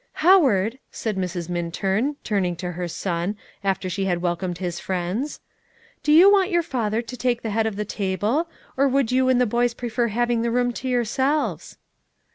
"Howard," said Mrs. Minturn, turning to her son, after she had welcomed his friends, "do you want your father to take the head of the table, or would you and the boys prefer having the room to yourselves?"